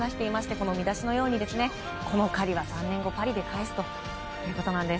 この見出しのようにこの借りは３年後、パリで返すということなんです。